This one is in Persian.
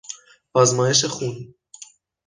آزمایش خون